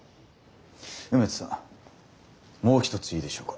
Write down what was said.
梅津さんもう一ついいでしょうか？